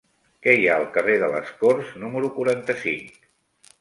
Què hi ha al carrer de les Corts número quaranta-cinc?